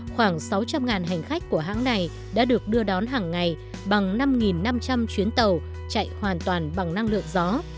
khoảng sáu trăm linh hành khách của hãng này đã được đưa đón hàng ngày bằng năm năm trăm linh chuyến tàu chạy hoàn toàn bằng năng lượng gió